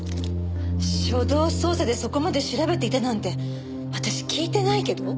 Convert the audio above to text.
初動捜査でそこまで調べていたなんて私聞いてないけど？